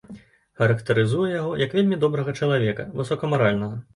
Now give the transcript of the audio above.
Характарызуе яго як вельмі добрага чалавека, высокамаральнага.